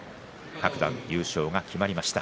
各段優勝が決まりました。